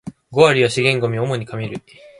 五割は資源ゴミ、主に紙類